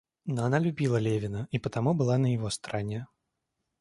Но она любила Левина и потому была на его стороне.